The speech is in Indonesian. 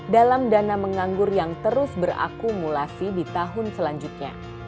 dalam dana menganggur yang terus berakumulasi di tahun selanjutnya